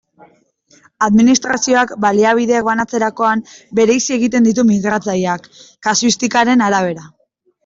Administrazioak baliabideak banatzerakoan bereizi egiten ditu migratzaileak, kasuistikaren arabera.